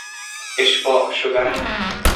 اشباع شدن